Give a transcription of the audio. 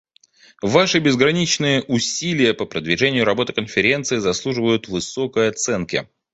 Ваши безграничные усилия по продвижению работы Конференции заслуживают высокой оценки.